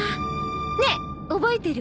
ねえ覚えてる？